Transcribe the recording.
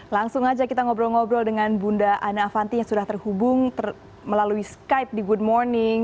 langsung aja kita ngobrol ngobrol dengan bunda ana avanti yang sudah terhubung melalui skype di good morning